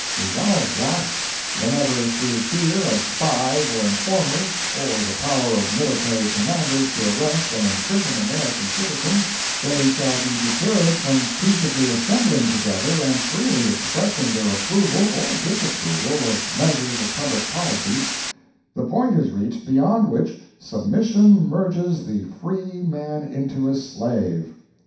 Resolved, That, whenever through fear of spies or informers, or the power of military commanders to arrest and imprison American citizens, they shall be deterred from peaceably assembling together and freely expressing their approval or disapproval of measures of public policy, the point is reached beyond which submission merges the free man into a slave.